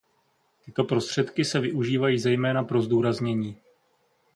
Tyto prostředky se využívají zejména pro zdůraznění.